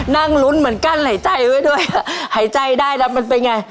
นั่งลุ้นเหมือนกั้นหายใจไว้ด้วยหายใจได้แล้วมันเป็นไง